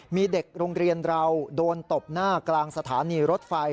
มีเด็กโรงเรียนเราโดนตบหน้ากลางสถานีรถไฟ